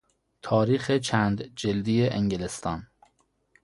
تاریخ چند جلدی انگلستان